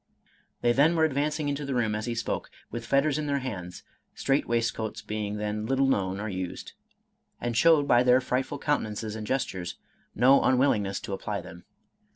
They then were advancing into the room as he spoke, with fetters in their hands (strait waistcoats being then little known or used), and showed, by their frightful countenances and gestures, no unwillingness to apply them.